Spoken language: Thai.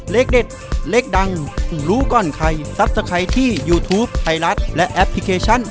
เลขเด็ดเลขดังรู้ก่อนใครที่ยูทูปไทยรัฐและแอปพลิเคชัน